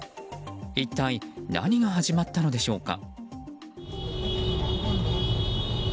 一体何が始まったのでしょうか。